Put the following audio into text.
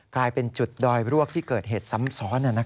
กลายเป็นจุดดอยรวกที่เกิดเหตุซ้ำซ้อน